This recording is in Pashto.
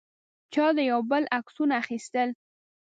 چا د یو بل عکسونه اخیستل.